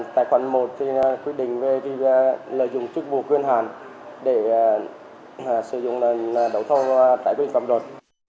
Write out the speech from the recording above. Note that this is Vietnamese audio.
tài khoản một thì quyết định về lợi dụng chức vụ quyên hàn để sử dụng đấu thầu tại quyết định tập đột